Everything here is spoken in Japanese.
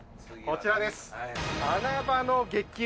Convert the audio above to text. こちらです。